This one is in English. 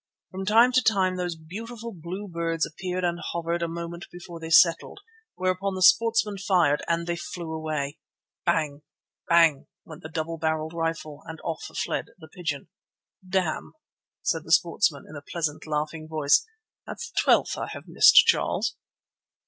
From time to time these beautiful blue birds appeared and hovered a moment before they settled, whereon the sportsman fired and—they flew away. Bang! Bang! went the double barrelled rifle, and off fled the pigeon. "Damn!" said the sportsman in a pleasant, laughing voice; "that's the twelfth I have missed, Charles."